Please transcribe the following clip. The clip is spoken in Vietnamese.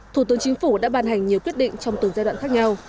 thủ tướng chính phủ đã ban hành nhiều quyết định trong từng giai đoạn khác nhau